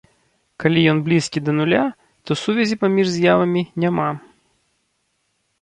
Калі ён блізкі да нуля, то сувязі паміж з'явамі няма.